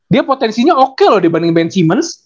dia potensinya oke loh dibanding ben simmons